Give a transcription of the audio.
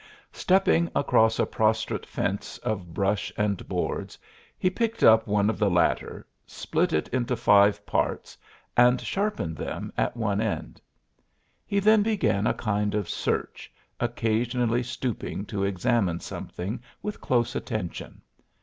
Stepping across a prostrate fence of brush and boards he picked up one of the latter, split it into five parts and sharpened them at one end. He then began a kind of search, occasionally stooping to examine something with close attention.